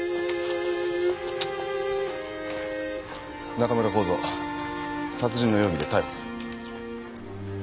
中村幸三殺人の容疑で逮捕する。